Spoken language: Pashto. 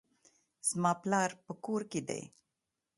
زما پلار په کور کښي دئ.